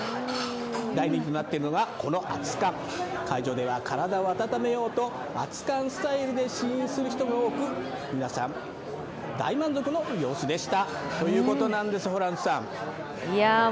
大人気となっているのがこの熱かん、会場では体を温めようと熱かんスタイルで試飲する人も多く、皆さん、大満足の様子でした。ということなんです、ホランさん。